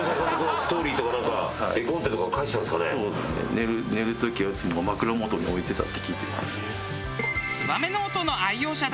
寝る時はいつも枕元に置いてたって聞いてます。